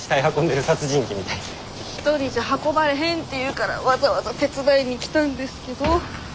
一人じゃ運ばれへんっていうから「わざわざ」手伝いに来たんですけど。